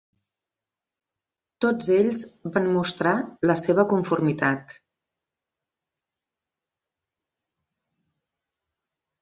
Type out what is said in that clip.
Tots ells van mostrar la seva conformitat.